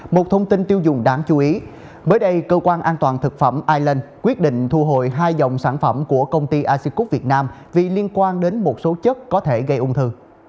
một thông tin tiêu dùng đáng chú ý mới đây cơ quan an toàn thực phẩm ireland quyết định thu hồi hai dòng sản phẩm của công ty acic việt nam vì liên quan đến một số chất có thể gây ung thư